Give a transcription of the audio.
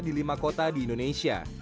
di lima kota di indonesia